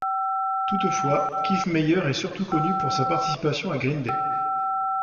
Toutefois, Kiffmeyer est surtout connu pour sa participation à Green Day.